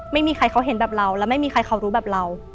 ไม่มีใครเขาเห็นแบบเราและไม่มีใครเขารู้แบบเรา